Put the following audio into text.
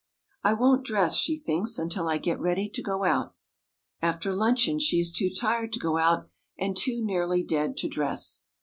"I won't dress," she thinks, "until I get ready to go out." After luncheon, she is too tired to go out, and too nearly dead to dress.